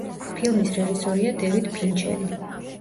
ფილმის რეჟისორია დევიდ ფინჩერი.